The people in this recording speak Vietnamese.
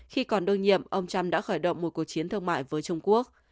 khi còn đương nhiệm ông trump đã khởi động một cuộc chiến thương mại với trung quốc